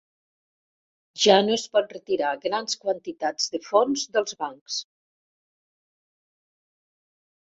Ja no es pot retirar grans quantitats de fons dels bancs